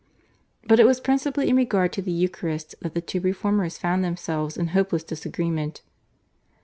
But it was principally in regard to the Eucharist that the two reformers found themselves in hopeless disagreement.